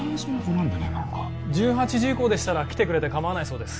何か１８時以降でしたら来てくれて構わないそうです